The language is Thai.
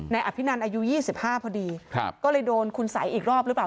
นายอภินัตริย์อายุยี่สิบห้าพอดีครับก็เลยโดนคุณสัยอีกรอบหรือเปล่า